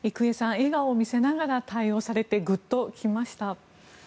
笑顔を見せながら対応されてグッと来ました。